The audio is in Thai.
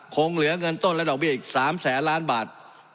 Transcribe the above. คงเหลือเงินต้นและดอกเบี้ยอีก๓แสนล้านบาท